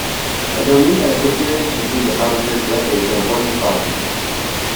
A "donee beneficiary" can sue the promisor directly to enforce the promise.